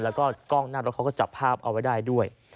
แล้วก็กล้องหน้ารถเขาก็จับภาพเอาไว้ได้ด้วย